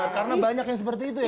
karena banyak yang seperti itu ya